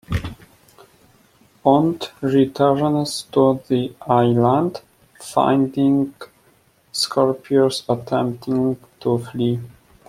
Bond returns to the island, finding Scorpius attempting to flee.